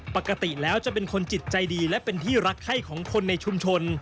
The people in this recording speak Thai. ปกติแล้วจะเป็นคนจิตใจดีและเป็นที่รักไข้ของคนในชุมชน